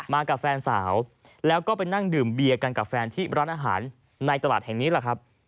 มากับแฟนสาวแล้วก็ไปนั่งดื่มเบียร์กันกับแฟนที่ร้านอาหารในตลาดแห่งนี้แหละครับ